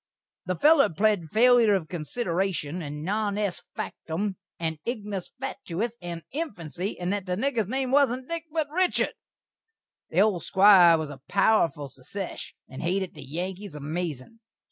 The feller pled failur of konsiderashun, and non est faktum, and ignis fatuis, and infansy, and that the nigger's name wasn't Dik, but Richard. The old Squire was a powerful sesesh, and hated the Yankees amazin'.